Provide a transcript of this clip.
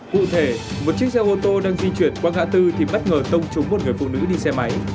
cụ thể một chiếc xe ô tô đang di chuyển qua ngã tư thì bất ngờ tông trúng một người phụ nữ đi xe máy